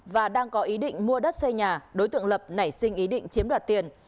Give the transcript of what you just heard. và đang có ý định mua đất xây nhà đối tượng lập nảy sinh ý định chiếm đoạt tiền